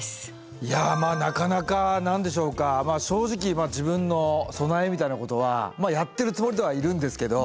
いやまあなかなか何でしょうかまあ正直自分の備えみたいなことはまあやってるつもりではいるんですけど。